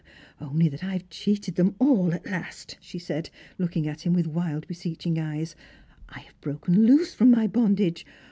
P" " Only that I have cheated them all at last," she said, look ing at him with wild beseeching eyes ;" I have broken loose from my bondage.